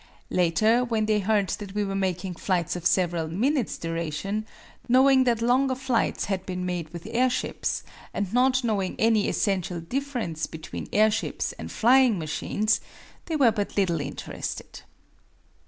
Later, when they heard that we were making flights of several minutes' duration, knowing that longer flights had been made with airships, and not knowing any essential difference between airships and flying machines, they were but little interested.